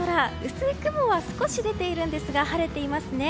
薄い雲が少し出ているんですが晴れていますね。